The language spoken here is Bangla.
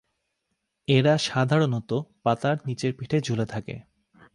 এরা সাধারণত পাতার নিচের পিঠে ঝুলে থাকে।